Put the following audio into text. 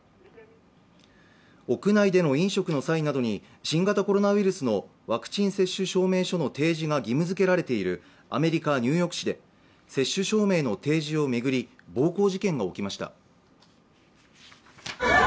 屋内での飲食の際などに新型コロナウイルスのワクチン接種証明書の提示が義務付けられているアメリカ・ニューヨーク市で、接種証明の提示を巡り暴行事件が起きました。